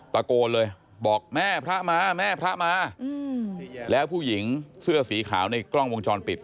ตะโกนเลยบอกแม่พระมาแม่พระมาแล้วผู้หญิงเสื้อสีขาวในกล้องวงจรปิด